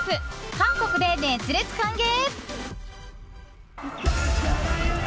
韓国で熱烈歓迎。